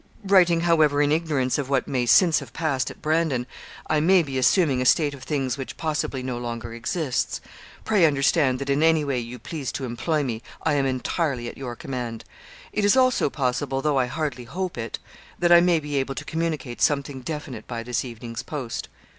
Writing, however, in ignorance of what may since have passed at Brandon, I may be assuming a state of things which, possibly, no longer exists. Pray understand that in any way you please to employ me, I am entirely at your command. It is also possible, though I hardly hope it, that I may be able to communicate something definite by this evening's post.